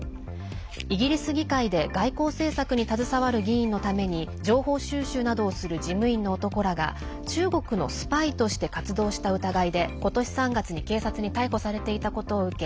イギリス議会で外交政策に携わる議員のために情報収集などをする事務員の男らが中国のスパイとして活動した疑いで、今年３月に警察に逮捕されていたことを受け